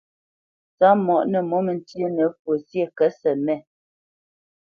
Tsopmǒ nǝ mǒmǝ ntyénǝ́ fwo syé kǝtʼsǝmét.